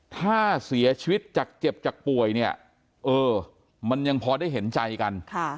ถ้าเสียชีวิตจากเจ็บจากป่วยเนี่ยเออมันยังพอได้เห็นใจกัน